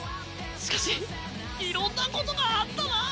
しかしいろんなことがあったなぁ